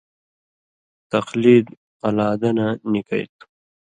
تقلید قلادہ نہ نِکئ تُھو